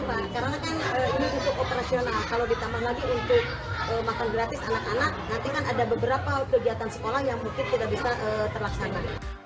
kalau ditambah lagi untuk makan gratis anak anak nanti kan ada beberapa kegiatan sekolah yang mungkin tidak bisa terlaksana